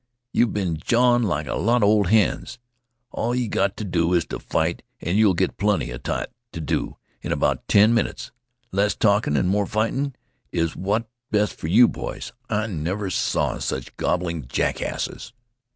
You've been jawin' like a lot 'a old hens. All you've got t' do is to fight, an' you'll get plenty 'a that t' do in about ten minutes. Less talkin' an' more fightin' is what's best for you boys. I never saw sech gabbling jackasses."